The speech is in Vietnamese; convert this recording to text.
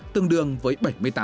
tương đương với bảy mươi tám